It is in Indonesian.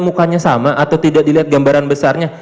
mukanya sama atau tidak dilihat gambaran besarnya